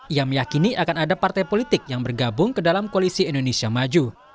ia meyakini akan ada partai politik yang bergabung ke dalam koalisi indonesia maju